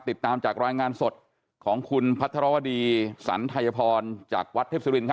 ติดตามจากรายงานสดของคุณพระธรวดีศรันตณพญพรจากวัดเทพศิริลป์